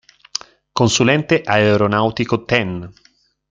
Consulente aeronautico Ten.